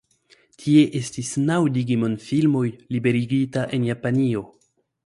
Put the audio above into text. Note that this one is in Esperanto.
Tie estis naŭ Digimon filmoj liberigita en Japanio.